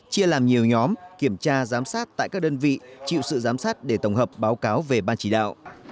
chia làm nhiều nhóm kiểm tra giám sát tại các đơn vị chịu sự giám sát để tổng hợp báo cáo về ban chỉ đạo